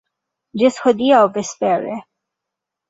Ĝis hodiaŭ vespere!